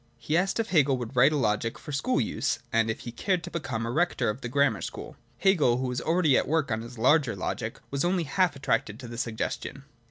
He asked if Hegel would write a logic for school use, and if he cared to become rector of a grammar school. Hegel, who was already at work on his larger Logic, was only half attracted by the suggestion.